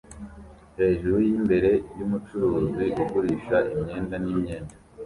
Hejuru yimbere yumucuruzi ugurisha imyenda n imyenda